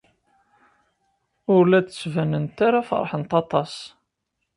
Ur la d-ttbanent ara feṛhent aṭas.